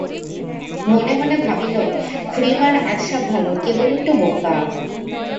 মনে মনে ভাবিল-খুড়িমার আর সব ভালো, কেবল একটু বোকা!